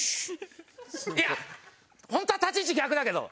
いやホントは立ち位置逆だけど。